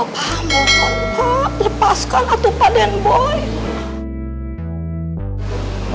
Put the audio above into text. aduh pak mohon pak lepaskan atu pak den boy